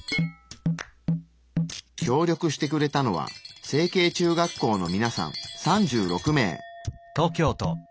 協力してくれたのは成蹊中学校のみなさん３６名。